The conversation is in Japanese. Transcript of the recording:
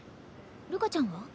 るかちゃんは？